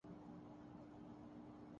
آٹھ سال کی عمر میں اخبار میں لکھنا شروع کیا